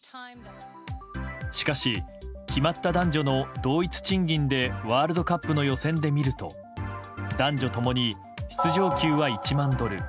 しかし決まった男女の同一賃金でワールドカップの予選で見ると男女ともに出場給は１万ドル。